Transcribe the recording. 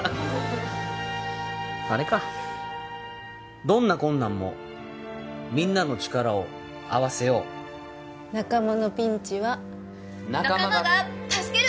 あれかどんな困難もみんなの力を合わせよう仲間のピンチは仲間が助ける！